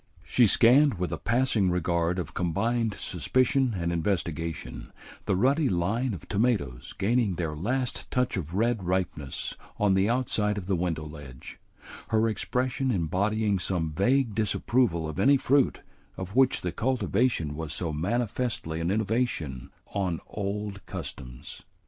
She scanned with a passing regard of combined suspicion and investigation the ruddy line of tomatoes gaining their last touch of red ripeness on the outside of the window ledge, her expression embodying some vague disapproval of any fruit of which the cultivation was so manifestly an innovation on good old customs.